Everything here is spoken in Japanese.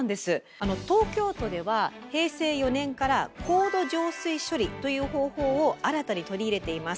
東京都では平成４年から「高度浄水処理」という方法を新たに取り入れています。